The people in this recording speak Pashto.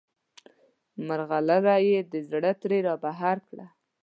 مرغلره یې د زړه ترې رابهر کړه.